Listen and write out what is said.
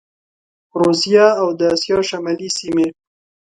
روسیه او د اسیا شمالي سیمي